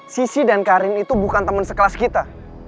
sisi dan karin itu bukan teman sekelas kita